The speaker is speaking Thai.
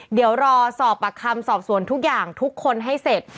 เดี๋ยวรอสอบปากคำสอบสวนทุกอย่างทุกคนให้เสร็จ